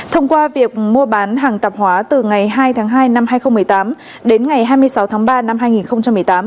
thông qua việc mua bán hàng tạp hóa từ ngày hai tháng hai năm hai nghìn một mươi tám đến ngày hai mươi sáu tháng ba năm hai nghìn một mươi tám